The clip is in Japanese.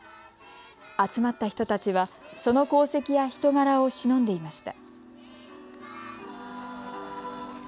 集まった人たちは、その功績や人柄をしのんでいました。